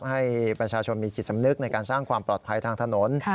ให้ประชาชนมีจิตสำนึกในการสร้างความปลอดภัยทางถนน